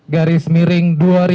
garis miring dua ribu dua puluh